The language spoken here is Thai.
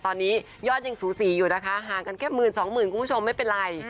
ตอนนี้ยอดยังสูสีอยู่นะคะห่างกันแค่หมื่นสองหมื่นคุณผู้ชมไม่เป็นไร